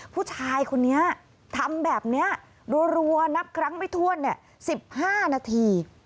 ผู้ชายคนนี้ทำแบบนี้รัวนับครั้งไม่ถ้วน๑๕นาที